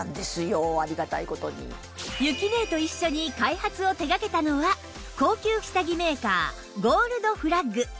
ゆきねえと一緒に開発を手掛けたのは高級下着メーカーゴールドフラッグ